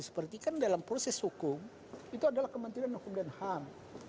seperti kan dalam proses hukum itu adalah kementerian hukum dan ham